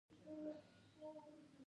نوی څېز زړونو ته خوښي راولي